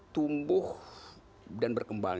tumbuh dan berkembang